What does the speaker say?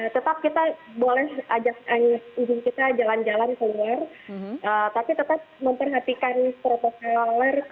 tetap kita boleh ajak izin kita jalan jalan keluar tapi tetap memperhatikan protokoler